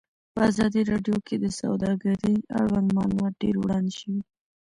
په ازادي راډیو کې د سوداګري اړوند معلومات ډېر وړاندې شوي.